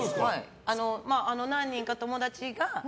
何人か、友達が。